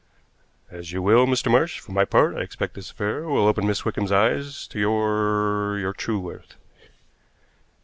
"As you will, Mr. Marsh. For my part, I expect this affair will open Miss Wickham's eyes to your your true worth."